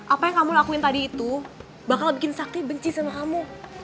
apa yang kamu lakuin tadi itu bakal bikin sakit benci sama kamu